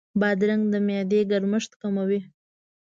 بادرنګ د معدې ګرمښت کموي.